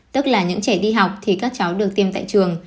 tức là những trẻ đi học thì các cháu được tiêm tại trường